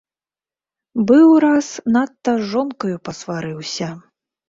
Быў раз надта з жонкаю пасварыўся.